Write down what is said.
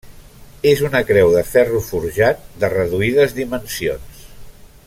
És una creu de ferro forjat de reduïdes dimensions.